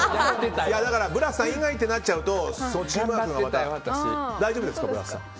ブラスさん以外ってなっちゃうとチームワークがまた大丈夫ですか？